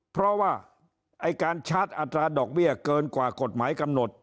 เพราะว่าไอ้การชาร์จอัตราดอกเบี้ยเกินกว่ากฎหมายกำหนด